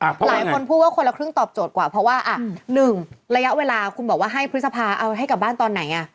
หลายคนพูดว่าคนละครึ่งตอบโจทย์กว่าเพราะว่า๑ระยะเวลาคุณบอกว่าให้พฤษภาเอาให้กลับบ้านตอนไหนอ่ะ